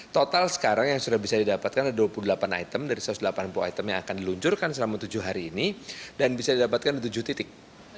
total sekarang yang sudah bisa didapatkan ada dua puluh delapan item dari satu ratus delapan puluh item yang akan diluncurkan selama tujuh hari ini dan bisa didapatkan di tujuh titik